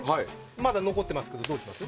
まだ残ってますけどどうします？